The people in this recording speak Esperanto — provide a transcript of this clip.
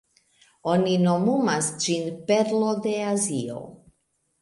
Oni nomumas ĝin "Perlo de Azio".